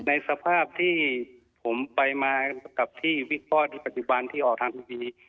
ในสภาพที่ผมไปมากับที่วิเคราะห์ที่ปัจจุบันที่ออกทางทีวี